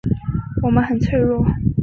我们很脆弱